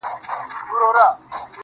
اوس عجيبه جهان كي ژوند كومه.